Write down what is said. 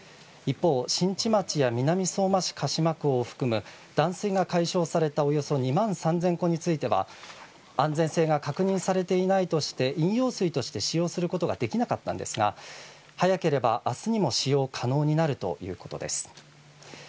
一方、新地町や南相馬市鹿島区を含む、断水が解消されたおよそ２万３０００戸については、安全性が確認されていないとして飲用水として使用することができなかったんですが、早ければあすにも使用可能になるということです。